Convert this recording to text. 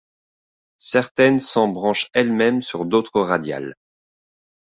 Certaines s'embranchent elles-mêmes sur d'autres radiales.